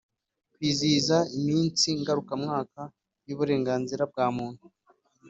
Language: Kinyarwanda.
Kwizihiza iminsi ngarukamwaka y uburenganzira bwa Muntu